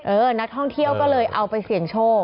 นักท่องเที่ยวก็เลยเอาไปเสี่ยงโชค